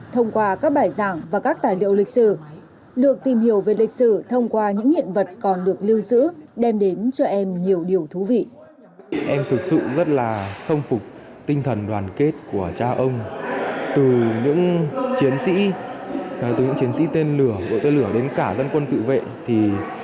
thông qua các bài giảng và các tài liệu lịch sử lượng tìm hiểu về lịch sử thông qua những hiện vật còn được lưu giữ đem đến cho em nhiều điều thú vị